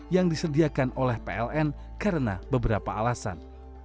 yang disediakan oleh pln karena beberapa alasan